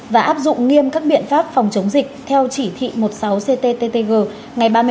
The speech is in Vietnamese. và áp dụng nghiêm các biện pháp phòng chống dịch theo chỉ thị một mươi sáu cttg ngày ba mươi